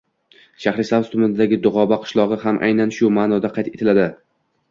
Shahrisabz tumanidagi Dug‘oba qishlog‘i ham aynan shu ma’noda qayd etiladi.